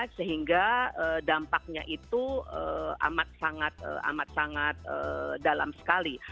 sehingga dampaknya itu amat sangat dalam sekali